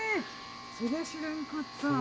そりゃ知らんかった。